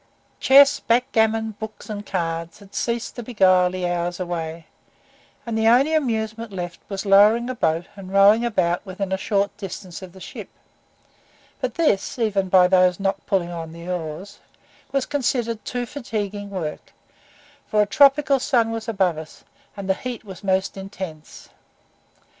Chess, backgammon, books and cards, had ceased to beguile the hours away, and the only amusement left was lowering a boat and rowing about within a short distance of the ship, but this (even by those not pulling at the oars) was considered too fatiguing work, for a tropical sun was above us, and the heat was most intense.